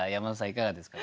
いかがですか？